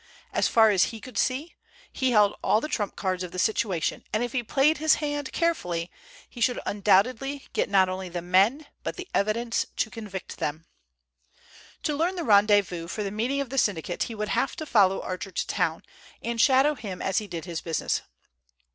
As far as he could see, he held all the trump cards of the situation, and if he played his hand carefully he should undoubtedly get not only the men, but the evidence to convict them. To learn the rendezvous for the meeting of the syndicate he would have to follow Archer to town, and shadow him as he did his business.